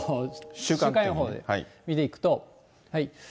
週間予報見ていくと。